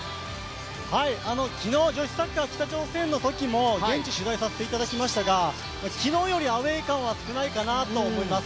昨日女子サッカー、北朝鮮のときも現地取材させていただきましたが、昨日よりアウェー感が一番感は少ないかなと思います。